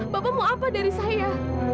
bapak mau apa dari saya